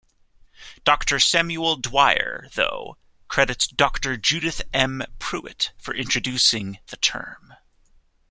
Doctor Samuel Dwyer, though, credits Doctor Judith M. Prewitt for introducing the term.